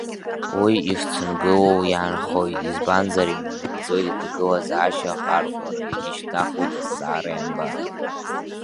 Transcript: Уи ишцынгылоу иаанхоит, избанзар инанагӡоит аҭагылазаашьа ахархәара, иагьышьҭнахуеит азҵаара ианба?